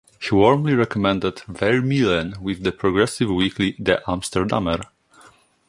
He warmly recommended Vermeulen with the progressive weekly De Amsterdammer.